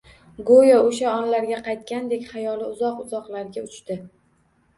Go`yo o`sha onlarga qaytgandek xayoli uzoq-uzoqlarga uchdi